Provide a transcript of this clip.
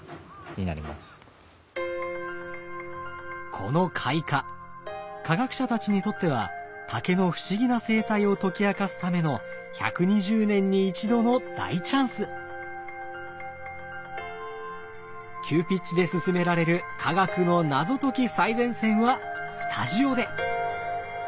この開花科学者たちにとっては竹の不思議な生態を解き明かすための急ピッチで進められる科学の謎解き最前線はスタジオで！